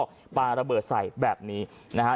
ก็ปลาระเบิดใส่แบบนี้นะฮะ